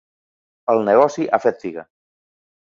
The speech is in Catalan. El negoci ha fet figa.